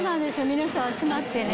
皆さん集まってね。